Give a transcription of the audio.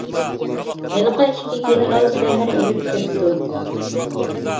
ھېلىقى ئىككى گېنېرال زەھەر ئېلىپ كەپتۇ.